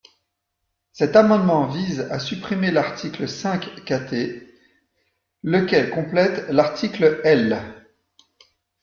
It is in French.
Cet amendement vise à supprimer l’article cinq quater, lequel complète l’article L.